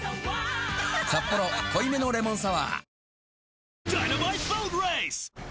「サッポロ濃いめのレモンサワー」